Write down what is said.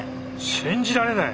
信じられない！